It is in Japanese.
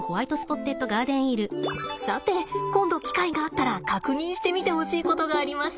さて今度機会があったら確認してみてほしいことがあります。